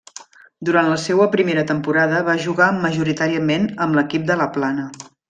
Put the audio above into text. Durant la seua primera temporada va jugar majoritàriament amb l'equip de La Plana.